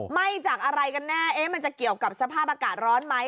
ไหม้จากอะไรกันแน่มันจะเกี่ยวกับสภาพอากาศร้อนไหม